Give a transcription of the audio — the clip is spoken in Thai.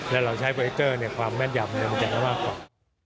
และเราใช้โปรเจคเตอร์ความแม่นยำมันจะทำให้มากกว่า